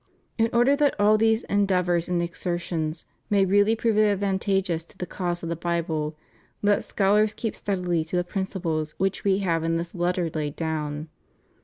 In order that all these endeavors and exertions may really prove advantageous to the cause of the Bible, let scholars keep steadfastly to the principles which We have in this Letter laid down.